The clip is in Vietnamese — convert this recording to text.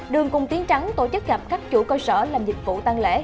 đường cùng tiến trắng tổ chức gặp các chủ cơ sở làm dịch vụ tăng lễ